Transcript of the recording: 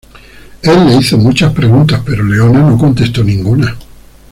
Él le hizo muchas preguntas, pero Leona no contesto ninguna.